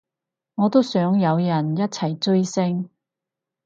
我都想有人一齊追星